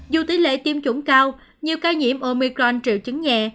dù tỷ lệ tiêm chủng cao nhiều ca nhiễm omicron triệu chứng nhẹ